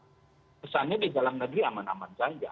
kesannya di dalam negeri aman aman saja